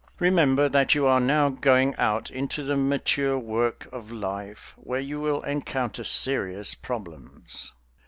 Remember that you are now going out into the mature work of life, where you will encounter serious problems.